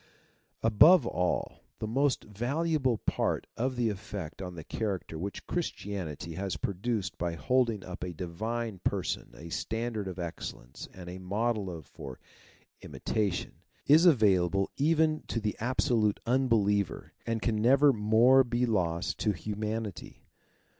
" ^jove ally the., most valuable part of the effect, on the character which Christianity has produced by holding up in a Divine Person a standard of excellence and a model for imitation, is available even to the absolute unbeliever and can never more be lost to humanity.